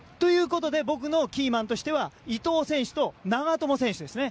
僕のキーマンとしては伊東選手と長友選手ですね。